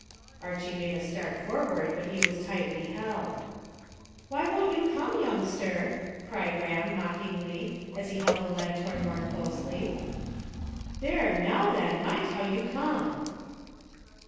Archy made a start forward, but he was tightly held. "Why don't you come, youngster?" cried Ram mockingly, as he held the lanthorn more closely. "There, now then, mind how you come."